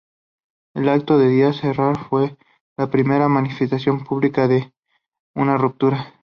El acto de Díaz Herrera fue la primera manifestación pública de una ruptura.